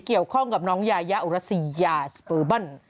เกี่ยวข้องกับน้องยายาอุรัสซียาสเปอร์เบิ้ล